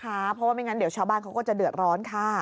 เพราะว่าไม่งั้นเดี๋ยวชาวบ้านเขาก็จะเดือดร้อนค่ะ